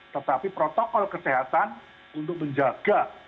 tetapi protokol kesehatan untuk menjaga